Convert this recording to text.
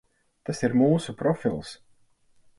Tas ir mūsu profils.